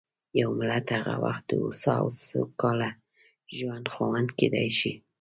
یو ملت هغه وخت د هوسا او سوکاله ژوند خاوند کېدای شي.